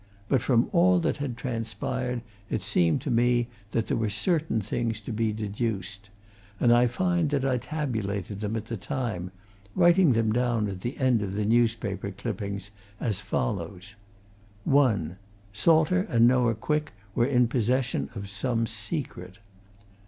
But from all that had transpired it seemed to me that there were certain things to be deduced, and I find that I tabulated them at the time, writing them down at the end of the newspaper clippings, as follows: 1. Salter and Noah Quick were in possession of some secret.